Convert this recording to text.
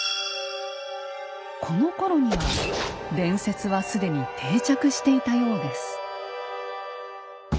このころには伝説は既に定着していたようです。